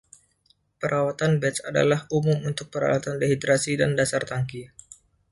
Perawatan batch adalah umum untuk peralatan dehidrasi dan dasar tangki.